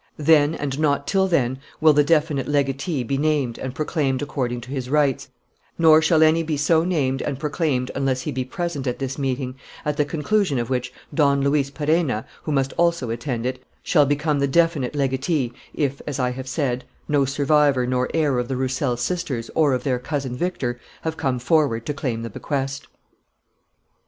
Then and not till then will the definite legatee be named and proclaimed according to his rights, nor shall any be so named and proclaimed unless he be present at this meeting, at the conclusion of which Don Luis Perenna, who must also attend it, shall become the definite legatee if, as I have said, no survivor nor heir of the Roussel sisters or of their cousin Victor have come forward to claim the bequest."